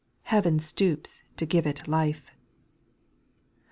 Heaven stoops to give it life.